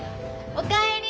お帰り。